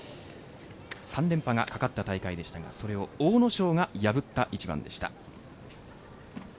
３連覇がかかった大会でしたがそれを阿武咲が破った一番でした。